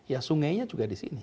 ya sungainya juga di sini